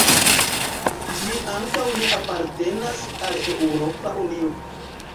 Ĝi ankaŭ ne apartenas al Eŭropa Unio.